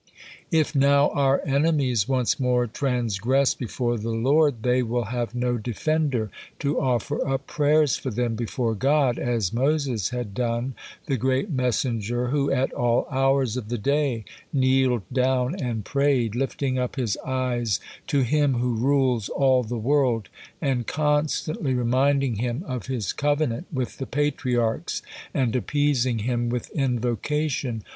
If now our enemies once more transgress before the Lord, they will have no defender to offer up prayers for them before God, as Moses had done, the great messenger who at all hours of the day kneeled down and prayed, lifting up his eyes to Him who rules all the world, and constantly reminding Him of His covenant with the Patriarchs, and appeasing Him with invocation.'